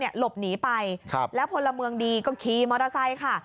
หลบหนีไปแล้วพลเมืองดีก็ขี่มอเตอร์ไซค์ค่ะ